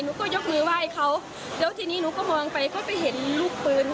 หนูก็ยกมือไหว้เขาแล้วทีนี้หนูก็มองไปเขาไปเห็นลูกปืน